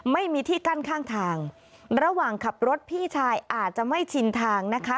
ไม่มีที่กั้นข้างทางระหว่างขับรถพี่ชายอาจจะไม่ชินทางนะคะ